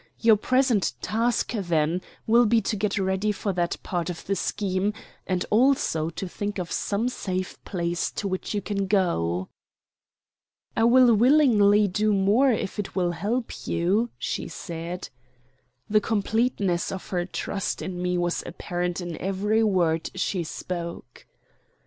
Your present task, then, will be to get ready for that part of the scheme, and also to think of some safe place to which you can go." "I will willingly do more, if it will help you," she said. The completeness of her trust in me was apparent in every word she spoke.